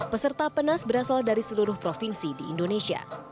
peserta penas berasal dari seluruh provinsi di indonesia